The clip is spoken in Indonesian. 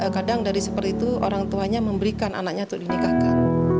kadang dari seperti itu orang tuanya memberikan anaknya untuk dinikahkan